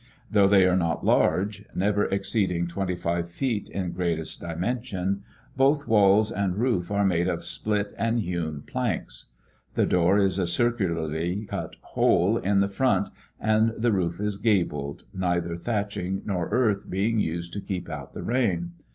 Though they are not large, never exceeding twenty five feet in greatest dimension, both walls and roof are made of split and hewn planks. The door is a circularly cut hole in the front, and the roof is gabled, neither thatching nor earth being used to keep out the rain.